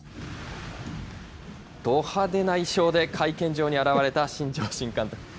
ド派手な衣装で会見場に現れた新庄新監督。